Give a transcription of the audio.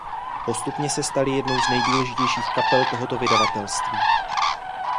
Postupně se stali jednou z nejdůležitějších kapel tohoto vydavatelství.